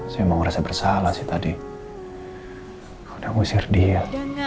saya mau ngerasa bersalah sih tadi udah ngusir dia